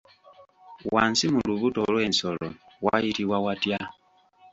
Wansi mu lubuto lw'ensolo wayitibwa watya?